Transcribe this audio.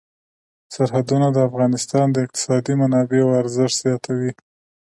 سرحدونه د افغانستان د اقتصادي منابعو ارزښت زیاتوي.